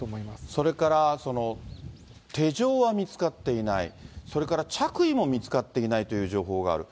それから手錠は見つかっていない、それから着衣も見つかっていないという情報がある。